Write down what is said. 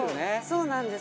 そうなんです。